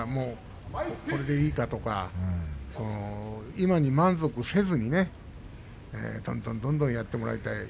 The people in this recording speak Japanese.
これでいいかとか現在に満足しないでどんどんどんどんやってもらいたい。